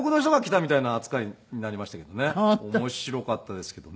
面白かったですけどね。